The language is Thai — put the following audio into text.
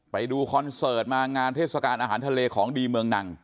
คอนเสิร์ตมางานเทศกาลอาหารทะเลของดีเมืองนัง